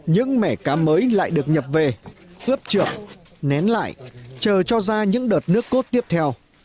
những mẻ cá mới lại được nhập về ướp trượt nén lại chờ cho ra những đợt nước cốt tiếp theo